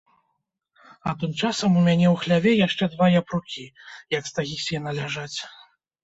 А тым часам у мяне ў хляве яшчэ два япрукі, як стагі сена, ляжаць.